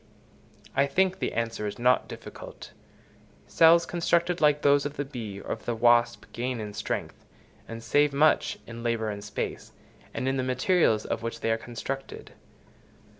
I think the answer is not difficult: cells constructed like those of the bee or the wasp gain in strength, and save much in labour and space, and in the materials of which they are constructed.